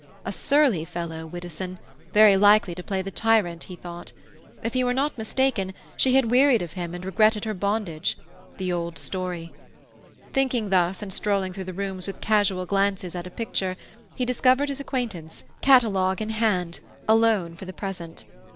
A surly fellow, Widdowson; very likely to play the tyrant, he thought. If he were not mistaken, she had wearied of him and regretted her bondage—the old story. Thinking thus, and strolling through the rooms with casual glances at a picture, he discovered his acquaintance, catalogue in hand, alone for the present.